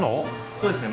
そうですね。